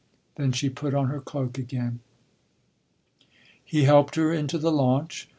Then she put on her cloak again. He helped her into the launch.